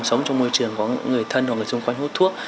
sống trong môi trường của người thân hoặc người xung quanh hút thuốc